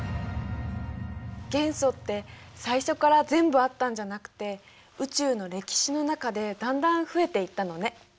元素って最初から全部あったんじゃなくて宇宙の歴史の中でだんだん増えていったのね。